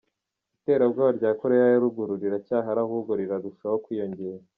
Iterabwoba rya Koreya ya Ruguru riracyahari ahubwo rirarushaho kwiyongera.